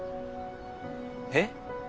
えっ？